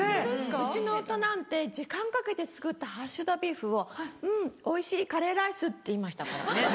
うちの夫なんて時間かけて作ったハッシュドビーフを「うんおいしいカレーライス」って言いましたからね。